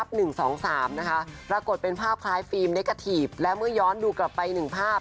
ปรากฏเป็นภาพคล้ายฟิล์มเนกะทีฟและเมื่อย้อนดูกลับไปหนึ่งภาพ